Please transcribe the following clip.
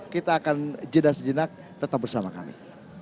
kita akan jeda sejenak tetap bersama kami